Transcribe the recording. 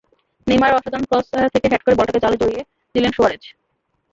নেইমারের অসাধারণ ক্রস থেকে হেড করে বলটাকে জালে জড়িয়ে দিলেন সুয়ারেজ।